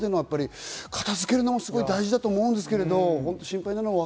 片付けるのも大事だと思うんですけれども。